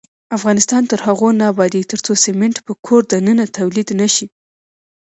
افغانستان تر هغو نه ابادیږي، ترڅو سمنټ په کور دننه تولید نشي.